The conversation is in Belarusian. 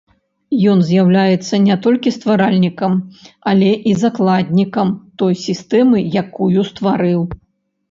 Ён з'яўляецца не толькі стваральнікам, але і закладнікам той сістэмы, якую стварыў.